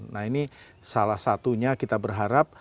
nah ini salah satunya kita berharap